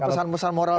kalau pesan pesan moral